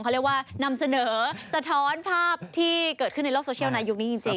เขาเรียกว่านำเสนอสะท้อนภาพที่เกิดขึ้นในโลกโซเชียลในยุคนี้จริง